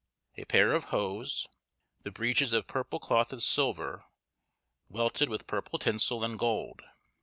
A pair of hose, the breeches of purple cloth of silver, welted with purple tinsel and gold.